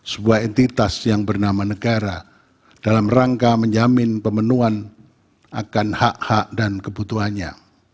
sebuah entitas yang bernama negara dalam rangka menjamin pemenuhan akan hak hak dan kebutuhannya